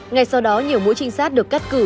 ngay sau đó nhiều mũi trinh sát được cắt cử